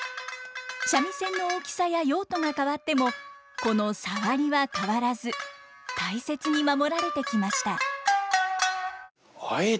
三味線の大きさや用途が変わってもこのサワリは変わらず大切に守られてきました。